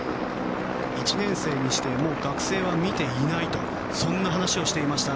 １年生にして学生は見ていないとそんな話をしていました。